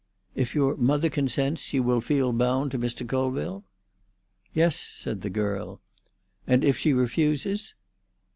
"If your mother consents, you will feel bound to Mr. Colville?" "Yes," said the girl. "And if she refuses?"